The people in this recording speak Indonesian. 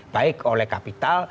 baik oleh kapital